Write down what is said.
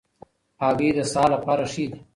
هګۍ د سهار لپاره ښې دي.